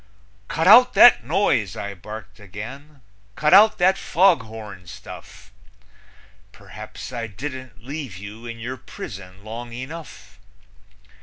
"Cut out that noise!" I barked again. "Cut out that foghorn stuff! Perhaps I didn't leave you in your prison long enough.